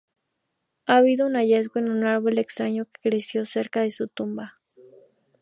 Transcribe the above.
Ha habido un hallazgo de un árbol extraño que creció cerca de su tumba.